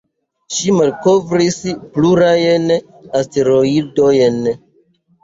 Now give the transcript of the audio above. Ŝi malkovris plurajn asteroidojn.